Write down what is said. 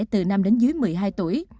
từ năm đến dưới một mươi hai tuổi